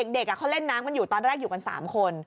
เด็กเขาเล่นน้ำกันอยู่ตอนแรกอยู่กัน๓คน